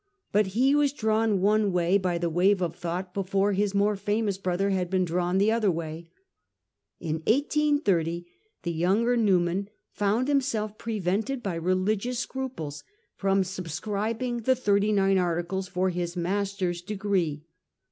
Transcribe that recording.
But he was drawn one way by the wave of thought before his more famous brother had been drawn the other way. In 1830, the younger Newman found himself prevented by religious scruples from subscribing the Thirty nine Articles for his master's degree.